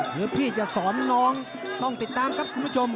หรือพี่จะสอนน้องต้องติดตามครับคุณผู้ชม